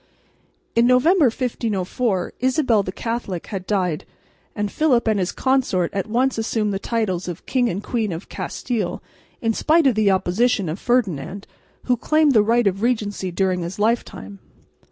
In November, 1504, Isabel the Catholic had died; and Philip and his consort at once assumed the titles of King and Queen of Castile, in spite of the opposition of Ferdinand, who claimed the right of regency during his life time.